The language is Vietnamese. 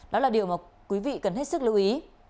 đó là điều mà quý vị cần hết sức lưu ý